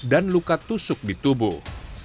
dan luka tusuk di tubuh